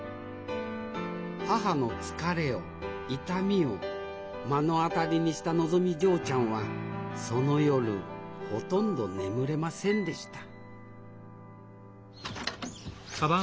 母の疲れを痛みを目の当たりにしたのぞみ嬢ちゃんはその夜ほとんど眠れませんでした